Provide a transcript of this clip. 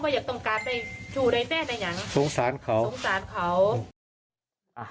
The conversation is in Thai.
ว่าอยากต้องการไปถูกได้แน่ในอย่างสงสารเขาสงสารเขาอ่า